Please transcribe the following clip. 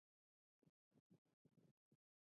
کله چې افغانستان کې ولسواکي وي خیرات ورکول کیږي.